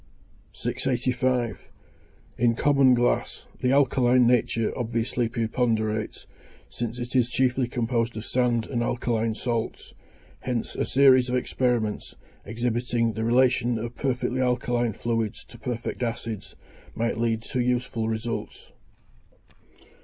685. In common glass, the alkaline nature obviously preponderates, since it is chiefly composed of sand and alkaline salts; hence a series of experiments, exhibiting the relation of perfectly alkaline fluids to perfect acids, might lead to useful results.